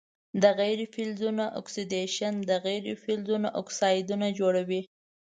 د غیر فلزونو اکسیدیشن د غیر فلزونو اکسایدونه جوړوي.